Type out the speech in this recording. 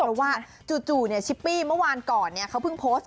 เพราะว่าจู่ชิปปี้เมื่อวานก่อนเขาเพิ่งโพสต์